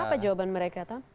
apa jawaban mereka tom